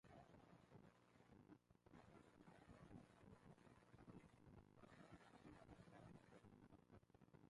Un cable difundido por Wikileaks reveló el obvio trasfondo de la maniobra.